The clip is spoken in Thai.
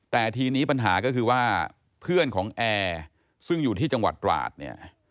แต่ทีนี้ปัญหาก็คือว่าเพื่อนของแอร์ซึ่งอยู่ที่จังหวัดตราดเนี่ย